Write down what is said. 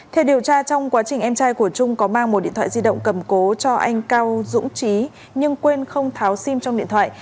theo điều tra trong quá trình em trai của trung có mang một điện thoại di động cầm cố cho anh cao dũng trí nhưng quên không tháo sim trong điện thoại